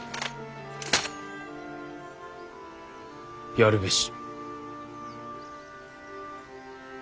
やるべし。